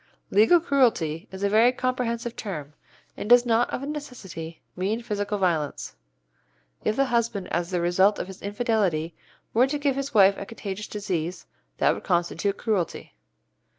Legal cruelty is a very comprehensive term, and does not of necessity mean physical violence. If the husband as the result of his infidelity were to give his wife a contagious disease, that would constitute cruelty.